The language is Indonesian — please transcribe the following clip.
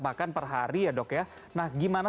makan per hari ya dok ya nah gimana